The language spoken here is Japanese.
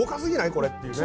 これっていうね。